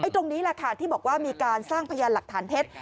ตรงนี้แหละค่ะที่บอกว่ามีการสร้างพยานหลักฐานเท็จ